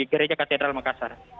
gereja katedral makassar